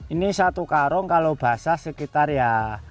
ini satu karung kalau basah sekitar ya delapan puluh lima